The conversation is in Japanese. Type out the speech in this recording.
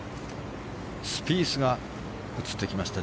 スピースが映ってきました